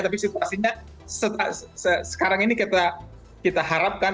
tapi situasinya sekarang ini kita harapkan